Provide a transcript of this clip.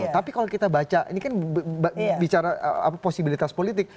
tapi kalau kita baca ini kan bicara posibilitas politik